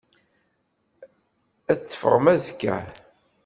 Ad teffɣem azekka?